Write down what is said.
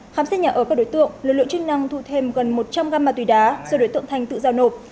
khám xét nhà ở các đối tượng lực lượng chức năng thu thêm gần một trăm linh găm ma túy đá do đối tượng thanh tự giao nộp